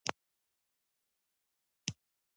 ډيره مننه کور مو ودان